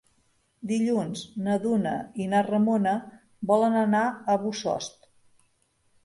Dilluns na Duna i na Ramona volen anar a Bossòst.